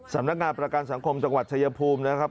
สำนักงานประกันสังคมจังหวัดชายภูมินะครับ